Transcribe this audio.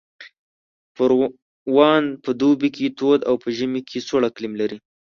پروان په دوبي کې تود او په ژمي کې سوړ اقلیم لري